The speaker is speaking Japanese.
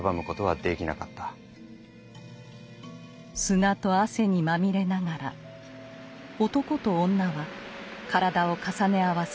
砂と汗にまみれながら男と女は体を重ね合わせます。